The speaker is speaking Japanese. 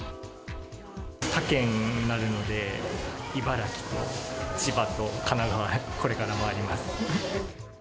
他県になるので、茨城と千葉と神奈川へ、これからまいります。